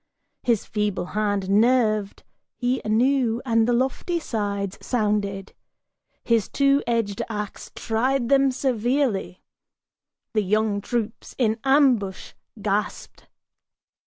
His feeble hand nerved he anew, and the lofty sides sounded, His two edged ax tried them severely. The young troops in ambush Gasped.